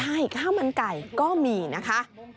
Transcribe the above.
ใช่ข้าวมันไก่ก็มีนะคะ